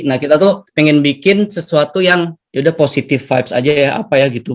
nah kita tuh pengen bikin sesuatu yang yaudah positive vibes aja ya apa ya gitu